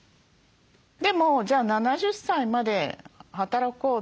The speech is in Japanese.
でも「じゃあ７０歳まで働こう。